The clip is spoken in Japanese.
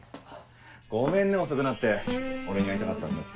ごめんね遅くなって俺に会いたかったんだって？